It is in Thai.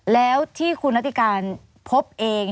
แล้วที่คุณนัติการพบเอง